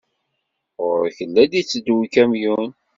Ɣur-k! La d-itteddu ukamyun!